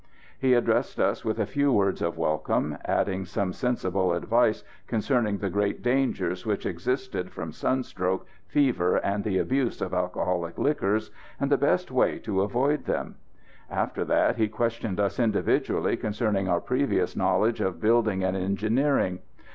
He addressed us with a few words of welcome, adding some sensible advice concerning the great dangers which existed from sunstroke, fever, and the abuse of alcoholic liquors, and the best way to avoid them. After that he questioned us individually concerning our previous knowledge of building and engineering.